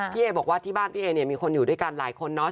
เอบอกว่าที่บ้านพี่เอเนี่ยมีคนอยู่ด้วยกันหลายคนเนาะ